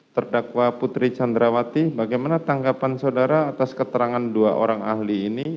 terdakwa putri candrawati bagaimana tanggapan saudara atas keterangan dua orang ahli ini